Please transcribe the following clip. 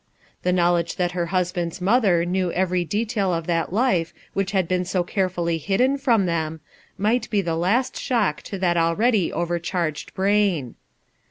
The knowledge that her husband's mother knew every detail of that life which had been so care fully hidden from them, might be the last shock to that already overcharged brain.